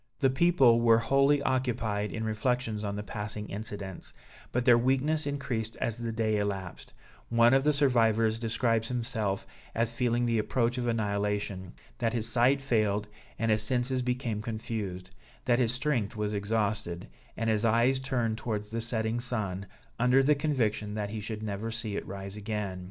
The people were wholly occupied in reflections on the passing incidents; but their weakness increased as the day elapsed; one of the survivors describes himself as feeling the approach of annihilation, that his sight failed, and his senses became confused; that his strength was exhausted, and his eyes turned towards the setting sun, under the conviction that he should never see it rise again.